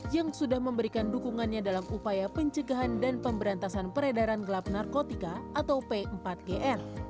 yang sudah memberikan dukungannya dalam upaya pencegahan dan pemberantasan peredaran gelap narkotika atau p empat gn